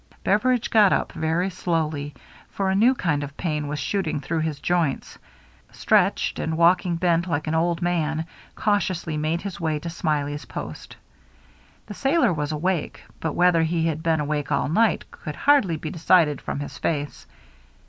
Beveridge got up very slowly, — for a new kind of pain was shooting through his joints, — stretched, and, walking bent, like an old man, cautiously made his way to Smiley's post. The sailor was awake; but whether he had been awake all night could hardly be decided from his face.